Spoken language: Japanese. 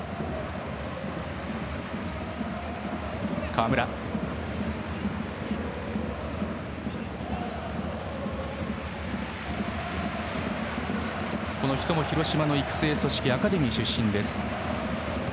川村も広島の育成組織アカデミー出身です。